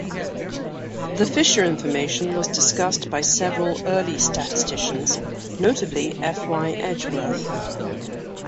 The Fisher information was discussed by several early statisticians, notably F. Y. Edgeworth.